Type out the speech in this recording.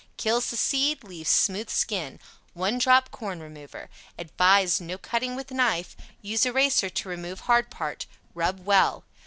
Kills the Seed. Leaves Smooth Skin One Drop Corn Remover ADVISE no cutting with knife. USE eraser to remove hard part. Rub well.